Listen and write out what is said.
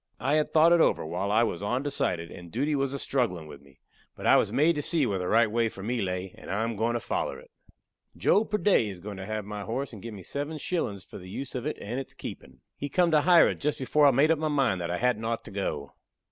I had thought it over, while I was ondecided and duty was a strugglin' with me. But I was made to see where the right way for me lay, and I am goin' to foller it. Joe Purday is goin' to have my horse, and give me seven shillin's for the use of it and its keepin'. He come to hire it just before I made up my mind that I hadn't ort to go.